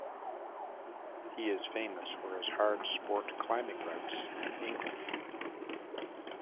He is famous for his hard sport climbing routes in England.